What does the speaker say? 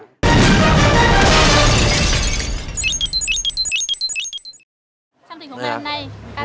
trong tình huống ngày hôm nay